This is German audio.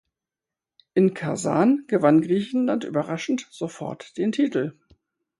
In Kasan gewann Griechenland überraschend sofort den Titel.